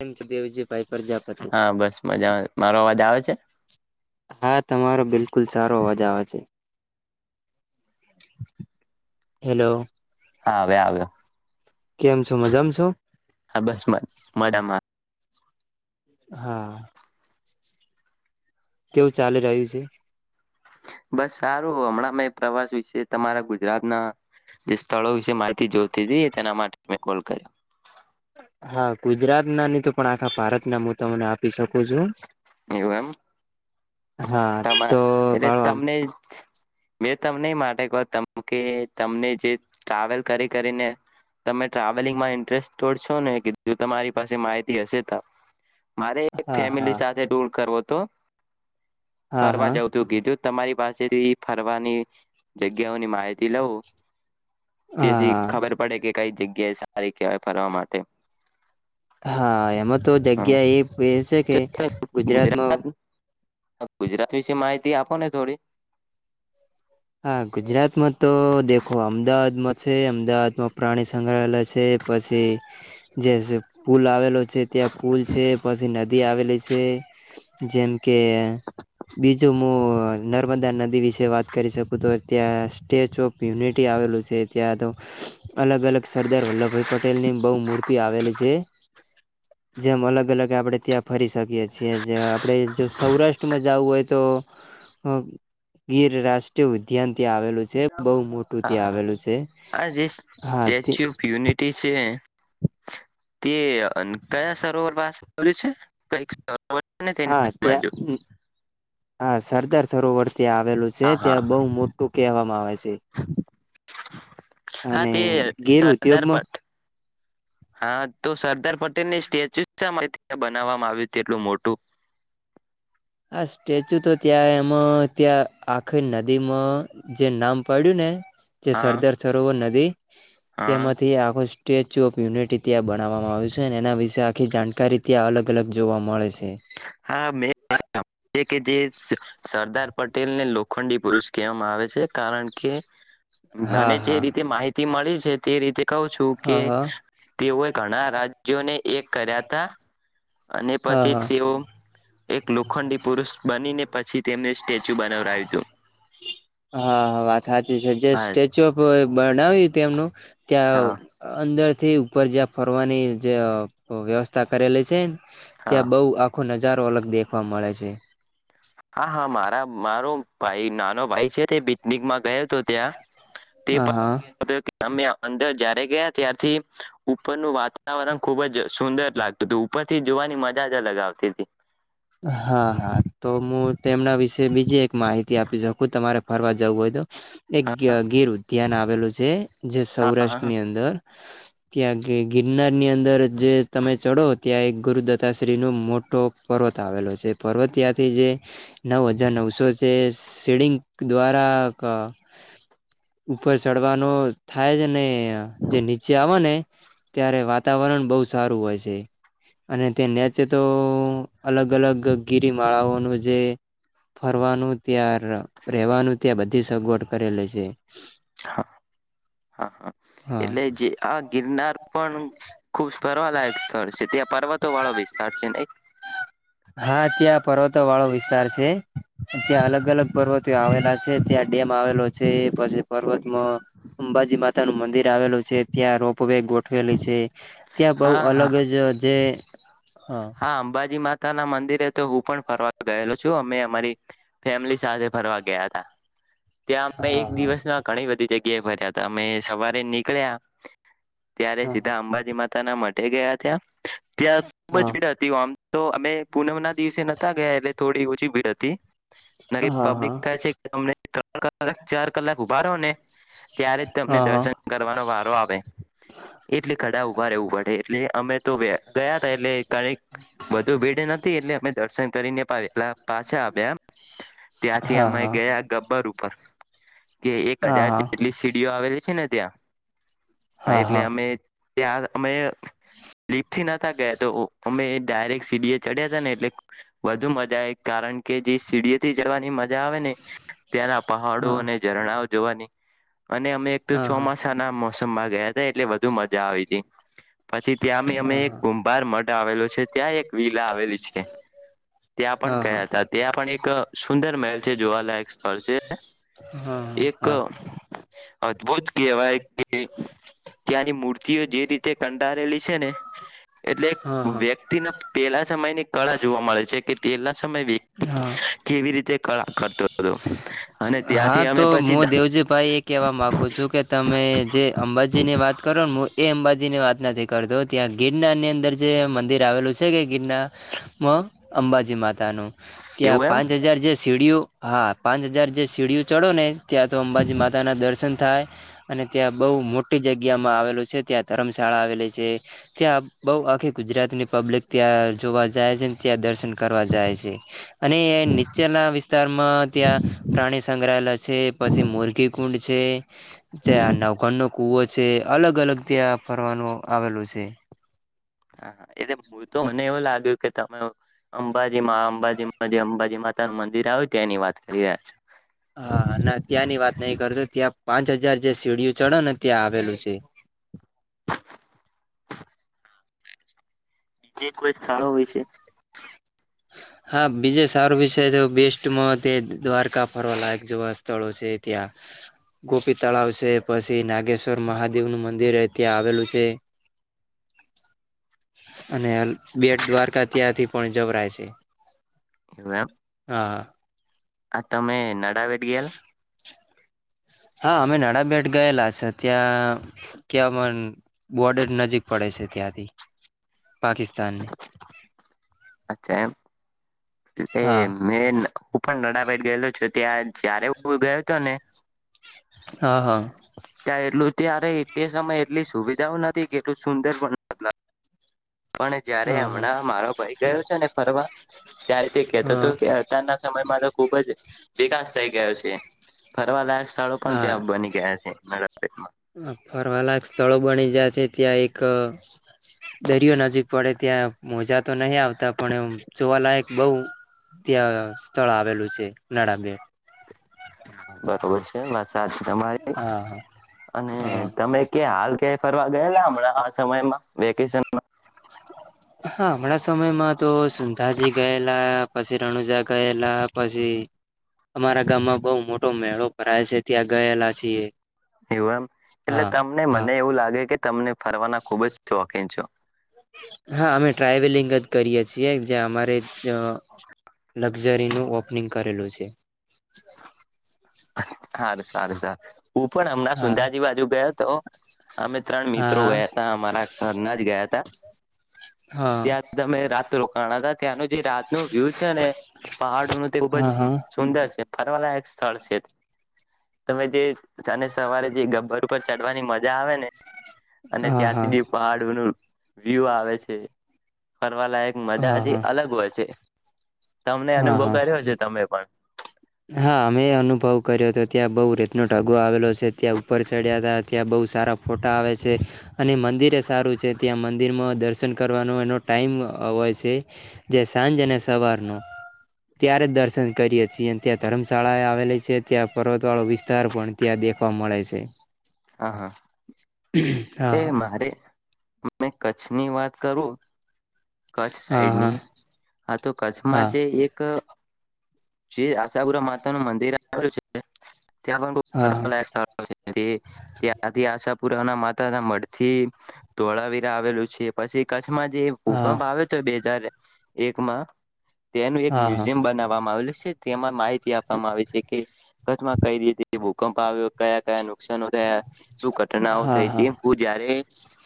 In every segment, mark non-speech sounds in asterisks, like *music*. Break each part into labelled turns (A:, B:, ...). A: કેમ છે દેવજીભાઈ પ્રજાપતિ
B: હા, બસ મજામાં. મારો અવાજ આવે છે?
A: હા, તમારો બિલકુલ સારો અવાજ આવે છે હેલો.
B: હા, આવે આવે.
A: કેમ છો મજામાં છો?
B: હા બસ મ મજામાં
A: હા. કેવું ચાલી રહ્યું છે?
B: બસ, સારું હમણાં મેં પ્રવાસ વિશે તમારા ગુજરાતના જે સ્થળો વિશે માહિતી જોતી હતી તેના માટે મેં કોલ કર્યો.
A: હા, ગુજરાતના ની તો પણ આખા ભારત ના હું તમને આપી શકું છું.
B: એવાનું
A: હા, તો ભાઈ આમ
B: તમને મેં તમને માટે કહું કે તમને જે ટ્રાવેલ કરી, કરીને તમે ટ્રાવેલિંગમાં ઇન્ટરેસ્ટ તોડછો ને કીધું. તમારી પાસે માહિતી હશે તો મારે એક
A: હા હા
B: ફેમિલી સાથે દૂર કરવો તો.
A: હા
B: ફરવા
A: હા
B: જવું, તે એવું કીધું. તમારી પાસેથી ફરવાની જગ્યાઓની માહિતી લઉ
A: હા
B: તેથી
A: હા
B: ખબર પડે કે કઈ જગ્યાએ સારી કહેવાય ફરવા માટે
A: હા એમાં તો
B: હા
A: જગ્યા એ બેસે
B: તો તમે
A: ગુજરાતમાં
B: ગુજરાત ગુજરાત વિશે માહિતી આપો ને થોડી
A: હા ગુજરાતમાં તો દેખો અમદાવાદમાં છે અમદાવાદમાં પ્રાણી સંગ્રહાલય પછી જે પુલ આવેલો છે ત્યાં પુલ છે પછી નદી આવેલી છે જેમ કે બીજું હું નર્મદા નદી વિશે વાત કરી શકું તો ત્યાં સ્ટેચ્યુ ઓફ યુનિટી આવેલું છે ત્યાં તો અલગ અલગ સરદાર વલ્લભભાઈ પટેલ ની બહુ મૂર્તિ આવેલી છે જેમ અલગ અલગ આપણે ત્યાં ફરી શકીય છીએ જે આપડણે જો સૌરાષ્ટ્રમાં જવું હોય તો ગીર રાષ્ટ ઉદ્યાનથી આવેલું બ
B: હા
A: મોટુંથી
B: હા
A: આવેલું છે
B: આ જે
A: હા
B: સ્ટેચ્યુ ઓફ યુનિટી તે કયા સરોવર પા છે કઈક સરોવર છે ને
A: હા
B: તેની બાજુ
A: ત્યાં હા સરદી સરોવર ત્યાં આવેલું છે
B: હા હા
A: ત્યાં બોવ મોટું કહેવામાં આવે છે
B: હા
A: અને
B: તે સરદાર
A: ગેરુત્યોગમાં
B: પટેલ પટેલની સ્ટેચ્યુ ત્યા બનાવવામાં આવ્યું તેટલું મોટું
A: હા સ્ટેચ્યુ તો ત્યાં એમાં ત્યાં આખી નદીમાં જે નામ પડ્યું ને જે
B: હા
A: સરદાર સરોવર નદી
B: હા
A: તેમાંથી આખો સ્ટેચુ ઓફ યુનિટી ત્યાં બનાવવામાં આવ્યું છે અને એના વિશે આખી જાણકારી ત્યાં અલગ અલગ જોવા મળે છે.
B: હા મે તે કે જે સ સરદાર પટેલ ને લોખંડી પુરુષ કહેવામાં આવે છે કારણ કે
A: હા
B: મને જે
A: હા
B: રીતે માહિ તી મળી છે તે રીતે કવ છું કે
A: હા હા
B: તેઓએ ઘણા રાજ્યોને એક કર્યા હતા અને
A: હા
B: પછી
A: હા
B: તો એક લોખંડી પુરુષ બની પછી તેમને સ્ટેચ્યુ બનાવવા આવ હતું.
A: હા હા વાત સાચી છે જે
B: હા
A: સ્ટેચ્યુ ઓફ બનાવી તે એમનું ત્યાં
B: હા
A: અંદર થી ઉપર જ્યાં ફરવાની જે વ્યવસ્થા કરેલી છે.
B: હા
A: ત્યાં બઉ આખો ન નજારો અલગ દેખવા મળે છે.
B: હા હા મારા મારો ભાઈ નાનો ભાઈ છે તે પિકનિક માં ગયો હતો ત્યાં તે
A: હા હા
B: પણ અમે અંદર જયારે ગયા ત્યારથી ઉપરનું વાતાવરણ ખુબ જ સુંદર લાગતું હતું ઉપરથી જોવાની મજા જ અલગ આવતી હતી.
A: હા હા તો હું તેમના વિશે બીજી એક માહિતી આપી શકું તમારે ફરવા જવું હોય તો એક
B: હા
A: ગીર ધ્યાન આવેલું છે. જે
B: હા હા
A: સૌરાષ્ટ્રની અંદર ત્યાગે ગિરનાર ની અંદર જે તમે ચડો ત્યાં એક ગુરુદત્તાશ્રી નુ મોટો પર્વત આવેલો છે પર્વત ત્યાંથી જે નવ હજાર નવસો છે. સીડિંગ દ્વારા ઉપર ચડવાનો થાય છે ને જે નીચે આવે ને ત્યારે વાતાવરણ બહુ સારું હોય છે અને તે નેચે તો અલગ-અલગ ગિરિમાળાઓનું જે. ફરવાનું ત્યયાર *inaudible* રવાનું ત્યાં બધી સગવડ કરેલી છે
B: હા હા
A: હા.
B: એટલે જે ફરવાલાાયક સ્થળ છે ત્યાં પર્વતો વાળો વિસ્તાર છે ને.
A: હા ત્યાં પર્વતો વાળો વિસ્તાર છે ત્યાં અલગ-અલગ પર્વતીયો આવેલા છે ત્યાં ડેમ આવેલો છે પછી પર્વતમાં અંબાજી માતા નું મંદિર આવેલું છે ત્યાં રો વે ગોઠવેલી છે ત્યાં બહ
B: હા હા
A: અલગ જ જે
B: હા અંબાજી મા પો ના મંદિરે તો હું પણ ફરવા ગયેલો છું અમે અમારી ફેમિલી સાથે ફરવા ગયા હતા. ત્યાં અમે
A: હા
B: એક
A: હા
B: દિવસમાં ઘણી બધી જગ્યા ફર્યા અમે સવારે નીકળ્યા ત્યારે સીધા અંબાજી માં તાના મ ગયા ત્યાં. ત્યા.
A: હા
B: બજી. મ તો અમે. પૂનમ ના દિવસે નતા ગયા એટલે થોડી. ભીડ હતી. ના
A: હા હા
B: પબ્લિક કહે
A: હા
B: છે કે તમને. કક ચાર કલાક ઉભા રહો ને ત્યારે જ તમને દર્શન કરવાનો વારો આપ *unintelligible* એટલે ખડા ઉભા રહેવું પડે. એટલે અમે તો ગયા હતા એટલે કક બધું ભેડે નથી એટલે દર્શન કરીને પાવ એટલા પાછા આવ્યા એમ
A: હા
B: ત્યાંથી
A: હા હા
B: અમે ગયા ગબ્બર ઉપર કે એક હજાર
A: હા
B: જેટલી સીડીઓ આવેલી છે ને ત્યાં હા એટલે અમે ત્યાં અમે લલીપથી નતા ગયા તો અમે ડાયરેક્ટ સીડીએ ચડ્યા હતા ને એટલે વધુ મજા આવે કારણ કે જે સીડીએ થી ચડવાની મજા આવે ને ત્યાંના પહાડો
A: હા
B: અને ઝરણા *inaudible* અને અમે એક તો
A: હા હા
B: ચોમાસા ના મળ અસમાં ગયા હતા એટલે વધુ મજા આવી હતી પછી ત્યાં મે અમે
A: હા
B: એક
A: હા
B: ગુંભાર મળ આવેલો છે ત્યાં એક લીલા આવેલી છે ત્યાં પણ
A: હા
B: ગયા હતા ત્યાં પણ એક સુંદર મહેલ છે જોવાલાયક સ્થળ છે
A: હા હા
B: એક
A: હા
B: અદભુત કેહેવાય કે ત્યાંની મૂર્તિઓ જે રીતે કંડારેલી છે ને એટલે
A: હા હા
B: વ્યક્તિ ના પેલા સમયની કળા જોવા મળે છે કે પેલા સમય વ્યક્તિ
A: હા
B: કેવી રીતે કળા કરતો હતો અને
A: હા
B: ત્યાંથી અમે
A: તો
B: પછી
A: હું દેવજીભાઈ એ કહેવા માગું છું કે તમે જે અંબાજીની વાત કરો નેું એ અંબાજી ની વાત નથી કરતો ત્યાં ગીરનાની અંદર જે મંદિર આવેલું છે કે ગીરના અંબાજી મા નું ત્યાં
B: એવું એમ
A: પાંચ હજાર જે સીડીિયું હા પાંચ હજાર જે છે ચીડિયું ચઢો ને ત્યાં તો અંબાજી માતાના દર્શન થાય અને ત્યાં બહુ મોટી જગ્યા માં આવેલું છે ત્યાં ધર્મશાળા આવેલી છે *inaudible* ત્યાં બહ આખી ગુજરાતની પબ્લિક ત્યાં જોવા જાય છે ત્યાં દર્શન કરવા જાય છે અને નીચેના વિસ્તારમાં ત્યાં પ્રાણી સંગ્રહાલય છે પછી મોરઘી કુંડ છે ત્યાં નવગન નો કુવો છે અલગ અલગ ત્યાં ફરવાનું આવેલું છે.
B: હાા એટલે હું તો મને એવું લાગ્યું કે તમે અંબાજીમાં અંબાજીમાં જે અંબાજી માતા નું મંદિર આવે તે એની વાત કરી રહ્યા છો
A: હા અને ત્યાંની વાત નઈ કરતો ત્યાં પાંચ હજાર જે સીડીિય ચડો ને ત્યાં આવેલું છે
B: બીજે કોઈ સ્થળો હોય છે
A: હા બીજે સારો વિષય તો બેસ્ટમાં તે દ્વારકા ફરવા લાયક જેવા સ્થળો છે ત્યાં ગોપી તળાવ છે પછી ના ્વર મહાદેવ નું મંદિર ત્યાં આવેલું છે *unintelligible* બેટ દ્વારકા ત્યાંથી પણ જબરા છે
B: એવું એમ
A: હા
B: આ તમે નડાાવેટ ગયાલા
A: હા અમે નાણા બેેટ ગયેલા છે ત્યાં ક્યામ બોર્ડર નજીક પડે છે ત્યાંથી પાકિસ્તાનને
B: અચ્છા એમ એ
A: હા
B: મેં હું પણ નડાભાઈદ ગયેલો છું ત્યાં જ્યારે હું ગયો હતો ને
A: હા હા
B: ત્યાં એટલું ત્યારે તે સમયે એટલી સુવિધાઓ નથી કેટું સુંદર બન લાગલા પણ જયારે
A: હા હા
B: હમણાં મારો ભાઈ ગયો છે ને ફરવા ત્યારે તે કેહેતો
A: હા
B: હતો કે અતારના સમયમાં તો ખુબ જ વિકાસ થઈ ગયો છે ફરવા લા સ્થળો પણ ત્યાં બની ગયા છે
A: ફરવાલાક સ્થળો બની જયા ત્યાં એક દરિયો નજીક પડે ત્યાં મોજા તો નહ આવતા પણ એ જોવાલાયક બહ ત્યાં સ્થળ આવેલું છે નાળબેર
B: બરોબર છે વાત આજ તમારે
A: હા
B: અને
A: હા
B: તમે કે હાલ ક ફરવા ગયેલા હમણાં આ સમયમાં વેકેશન
A: હા હમણાં સમયમાં તો સુંંધાજી ગયેલા પછી રણુજા ગયેલા પછી અમારા ગામમાં બઉ મોટો મેળો ભરાય છે ત્યાં ગયેલા છીએ
B: એવું એમ એટલે
A: હા
B: તમને
A: હા
B: મને એવું લાગે કે તમને ફરવાના ખુબ જ શોખીન છો
A: હા અમે ટ્રાવેલિંગ જ કરીએ છીએ જે અમારે લક્ઝરીનું ઓપનિંગ કરેલું છે
B: હાર સારું સાર હું પણ હમણાં
A: હા
B: સુંંધાજી બાજુ ગયો હતો અમે ત્રણ મિત્રો
A: હા
B: ગયા ત અમારા ઘરના જ ગયા હતા
A: હા
B: ત્યાં તમે રાત કણ ત્યાંનું જે રાત ન વ્યુ છે ને પહાડો ન તે ખુબ જ
A: હા હા
B: સુંદર છે ફરવાલા એક સ્થળ છે તમે જે અનેને સવારે જે ગબ્બર ઉપર ચડવાની મજા આવે ને અને
A: હા હા
B: ત્યાંથી
A: હા
B: જે પહાડોનું વ્યુ આવે છે કરવા લાયક મજા
A: હા
B: જ
A: હા
B: અલગ હોય છે તમને
A: હા
B: અનુભવ
A: હા
B: કર્યો છે તમે પણ
A: હા અમે એ અનુભવ કર્યો હતો ત્યાં બહુ રીતનો ઢગો આવેલો છે ત્યા ઉપર ચડ્યા હતા ત્યાં બહુ સારા ફોટા આવે છે અને મંદિરે એ સારું છે ત્યાં મંદિરમાં દર્શન કરવાનો એનો ટાઈમ હોય છે જે સાંજ અને સવારનો ત્યારે જ દર્શન કરીએ છીએ અને ત્યાં ધર્મશાળા આવેલી છે ત્યાં પર્વત વાળો વિસ્તાર પણ ત્યાં દેખવા મળે છે
B: હા હા
A: હા હ
B: ત કચ્છની વાત કરું કચ્છ
A: હા હા
B: સાઈડની હા તો કચ્છમાં
A: હા
B: જે એક શ્રી આશાપુરા માતા નું મંદિર આવેલું છે તે ખ
A: હા
B: લ આથી અ પુરાના મા મઢથી ધોળાવીરા આવેલું છે પછી કછ માં જે
A: હા
B: ભૂકંપ આવે્યો છે બે હજાર એકમાં તેનું એક
A: હા હા
B: મ્યુઝિયમ બનાવવામાં આવેલ છે તેમાં માહિતી આપવામાં આવે છે કે કચ્છમાં કઈ રીતે ભૂકંપ આવ્યો કયા કયા ન થ શું ઘટનાઓ
A: હા હા
B: થઈ
A: હા હા હા
B: હું જયારે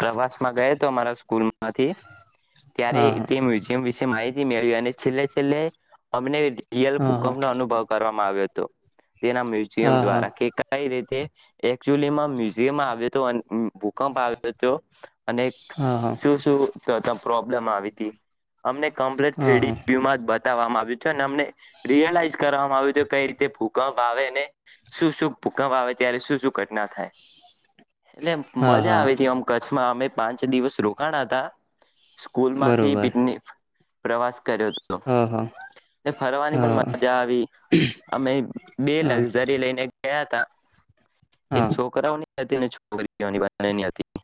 B: પ્રવાસ માં ગયો હતો અમારા સ્કૂલ માંથી ત્યારે તે મ્યુઝિયમ વિશે માહિત મેળવી અને છેલ્લે છેલ્લે અમને યલ ભૂકંપ નનો અનુભવ કરવામાં આવ્યો હતો તો તેના
A: હા
B: મ્યુઝિયમ દ્વારા કે કઈ રીતે એકચુમાં મ્યુઝિયમ આવ્યો ભૂકંપ આવ્યો હતો અને
A: હા હા હા
B: શું શું પ્રોબ્લેમ આવી હતી અમને કમ્પ્લીટ
A: હા હા
B: થ્રીડી્યુમાં બતાવવામાં આવ્યું હત અને અમને રિયલાઈઝ કરવામાં આવ્યું કઈ રીતે ભૂકંપ ભાવે ને શું શું ભૂકંપ આવે ત્યારે શું શું ઘટના થાય એટલે આમ
A: હા
B: મજા
A: હા
B: આવી તી આમ કચ્છ મા અમે પાંચ દિવસ રોકાણાતા સ્કૂલમાંથી
A: બરોબર
B: પિકનિક પ્રવાસ કર્યો હતો
A: હા હા
B: ફરવાની પણ
A: હા
B: મજા આવી અમે બે
A: હા
B: લક્ઝરી લઈને ગયા તા એક
A: હા
B: છોકરાઓની હતી અને છો છોકરીઓની બંનેની હતી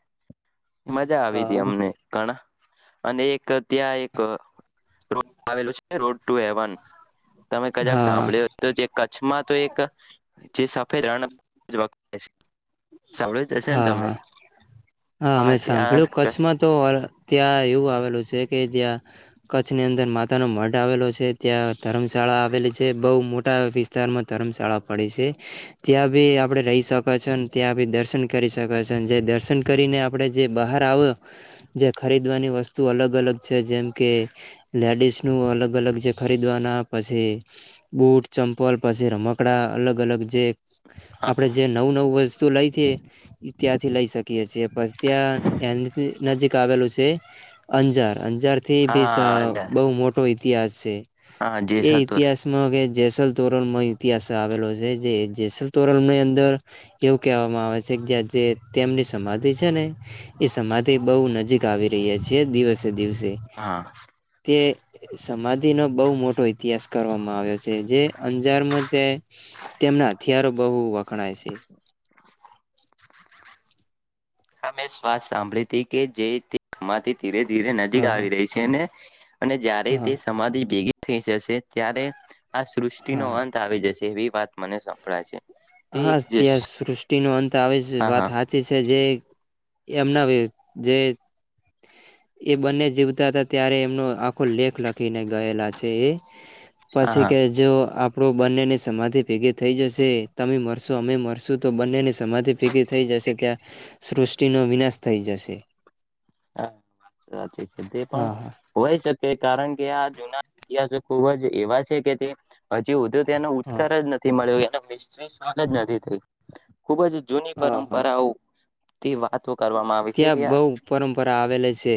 B: મજા આવી હતી
A: હા
B: અમને ઘણા અને એક ત્યાં એક રો આવેલું છે રોડ ટુ હેવન તમે
A: હા
B: કજાક
A: હા
B: સાંભળ્યો તો જે કચ્છમાં તો એક જે સફેદ રણ બ *unintelligible*
A: હા હા હા અમે સાંભળ્યું કચ્છમાં તો ત્યાં એવું આવેલું છે કે જ્યાં કચ્છની અંદર માતાનો મઢ આવેલો છે ત્યાં ધર્મશાળા આવેલી છે બહુ મોટા વિસ્તારમાં ધર્મશાળા પડે છે ત્યાં બી આપડે રહી શક છન ત્યાં બી દર્શન કરી શકાય છ ન જે દર્શન કરીને આપડે જે બહાર આવ જે ખરીદવાની વસ્તુ અલગ અલગ છે જેમ કે લેડીસનું અલગ અલગ જે ખરીદવાના પછી બુટ ચંપલ પછી રમકડા અલગ અલગ જે
B: હા
A: આપડે જે નવું નવું વસ્ લ ઈ ત્યાંથી લઈ શકે કીએ છે પછ ત્યાં એનથી નજીક આવેલું છે અંજાર અંજાર થી બી સ
B: હા
A: બહુ મોટો ઇતિહાસ છે
B: હા
A: એ
B: જેસલતોર
A: ઇતિહાસમાં કે જેસલ તોરલમાં ઇતિહાસ આવેલો છે જે જેસલ તોરલ ની અંદર એવું કહેવામાં આવે છે જે જે તેમની સમાધિ છે ને એ સમાધિ બહુ નજીક આવી રહી છેીએ દિવસે દિવસે
B: હા
A: તે સમાધિ નો બઉ મોટો ઇતિહાસ કરવામાં આવ્યો છ છે જે અંજારમાં જે તેમના હથિયારો બહુ વખણાય છે
B: *inaudible* હમે શ્વાસ સાંભળી કે જેય ક્માતી ધીરે ધીરે
A: હ
B: નજીક
A: હ
B: આવી રહી છે ને *inaudible* અને જય્યારે
A: હા
B: તે સમાધિ ભેગી થઈ જશે ત્યારે આ સૃષ્ટિ નો
A: હા
B: અંત આવી જશે એ વાત મને સંપળાય છે તે એક
A: હાાસ
B: જસ
A: ત્યા સૃષ્ટિ ન અંત બતા આવે છે
B: હા
A: વાત
B: હા
A: હાચી છે જે એમના વિ જે એ બંને જીવતા હતા ત્યારે એમનો આખો લેખ લખીને ગયેલા છે એ
B: હા
A: પછી
B: હા
A: કે જો *unintelligible* બંનેને સમાઘી ભેગે થઈ જશે. તમે મરશો અમે મરશું તો બંનેની સમાધિ ફીગી થઈ જશે ત્યાં સૃષ્ટિનો વિનાશ થઈ જશે.
B: *unintelligible* તે પણ
A: હા હા
B: હોય શકે કારણ કે આ જૂના ઇતિહાસ ખુબ જ એવા છે કે તે હજી ઉ તેનો ઉત્તર જ નથી મળ્યો. મિસ્ત્રી સ્વાગ જ નથી થઈ ખુબ જ જૂની
A: હા હા
B: પરંપરાઓ તે વાત
A: ત્યાં બઉ પરંપરા આવેલે છે.